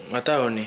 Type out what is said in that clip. gak tau nih